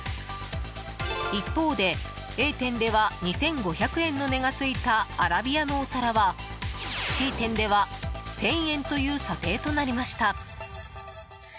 一方でＡ店では２５００円の値がついたアラビアのお皿はＣ店では１０００円という査定となりました。